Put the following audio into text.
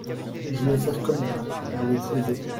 Je vais faire comme lui, je vais creuser.